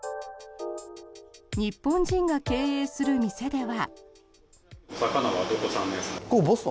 日本人が経営する店では。